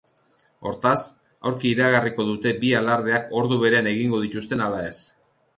Hortaz, aurki iragarriko dute bi alardeak ordu berean egingo dituzten ala ez.